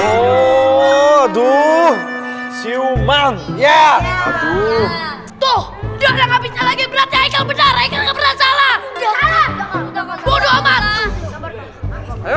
aduh siuman ya aduh tuh